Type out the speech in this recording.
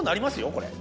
これ。